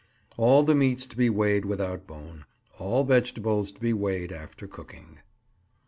All the meats to be weighed without bone. All vegetables to be weighed after cooking.